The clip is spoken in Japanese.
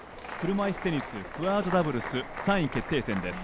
車いすテニスクアードダブルス３位決定戦です。